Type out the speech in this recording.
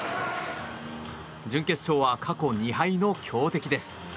準決勝は過去２敗の強敵です。